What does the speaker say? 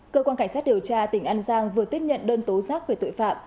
cơ quan cảnh sát điều tra tỉnh an giang vừa tiếp nhận đơn tố giác về tội phạm